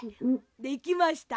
できました。ね！